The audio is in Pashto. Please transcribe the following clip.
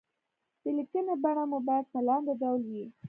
د ليکنې بڼه مو بايد په لاندې ډول وي.